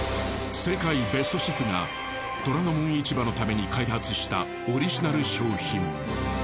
世界ベストシェフが『虎ノ門市場』のために開発したオリジナル商品。